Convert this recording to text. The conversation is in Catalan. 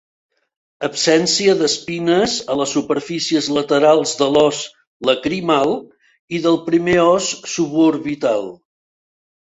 Absència d'espines a les superfícies laterals de l'os lacrimal i del primer os suborbital.